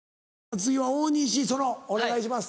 次は大西そのお願いします。